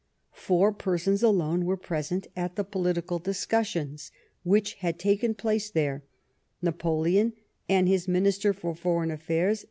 Four persons alone were present at the political discussions which had taken place there : Napoleon and his Minister for Foreign Affairs, M.